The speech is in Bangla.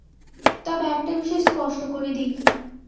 তবে একটা বিষয় স্পষ্ট করে দিই।